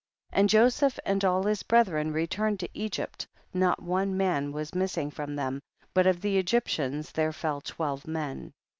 23. And Joseph and all his bre thren returned to Egypt, not one man was missing from them, but of the Egyptians there fell twelve men.